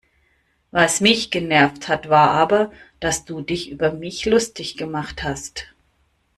Was mich genervt hat war aber, dass du dich über mich lustig gemacht hast.